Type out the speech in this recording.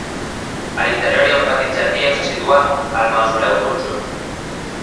A l'interior hi ha un petit jardí on se situa el mausoleu conjunt.